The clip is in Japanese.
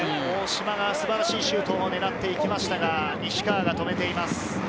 大島が素晴らしいシュートを狙ってきましたが、西川が止めています。